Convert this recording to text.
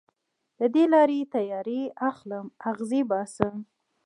د دې لارې تیارې اخلم اغزې باسم